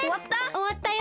おわったよ。